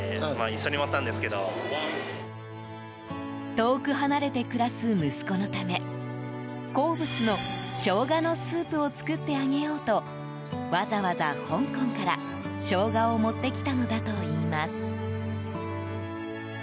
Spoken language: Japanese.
遠く離れて暮らす息子のため好物のショウガのスープを作ってあげようとわざわざ香港から、ショウガを持ってきたのだといいます。